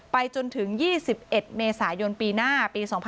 จนถึง๒๑เมษายนปีหน้าปี๒๕๖๒